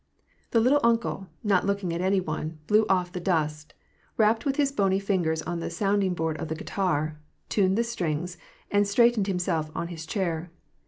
The " little uncle," not looking at any one, blew off the dust, rapped with his bony fingers on the sounding board of the gui WAR AND P^ACE, 276 * tar, tuned the strings, and straightened himself on his chair.